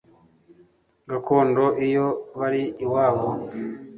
gakondo iyo bari iwabo